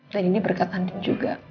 dan ini berkat andin juga